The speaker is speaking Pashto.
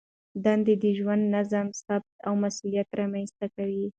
دندې د ژوند نظم، ثبات او مسؤلیت رامنځته کوي.